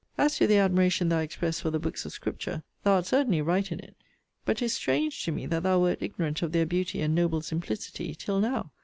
As to the admiration thou expressest for the books of scripture, thou art certainly right in it. But 'tis strange to me, that thou wert ignorant of their beauty, and noble simplicity, till now.